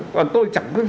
còn tôi chẳng